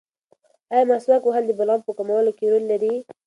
ایا مسواک وهل د بلغم په کمولو کې رول لري؟